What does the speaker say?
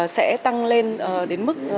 sẽ tăng lên đến mức